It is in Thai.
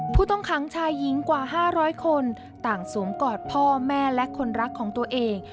ผู้ต้องขังชายหญิงกว่า๕๐๐คนต่างสวมกอดพ่อแม่และคนรักของตัวเอง